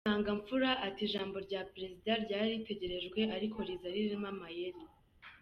Musangamfura ati “Ijambo rya Perezida ryari ritegerejwe ariko riza ririmo amayeri.